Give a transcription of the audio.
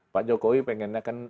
pak jokowi pengennya kan